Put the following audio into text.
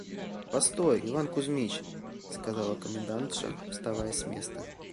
– Постой, Иван Кузьмич, – сказала комендантша, вставая с места.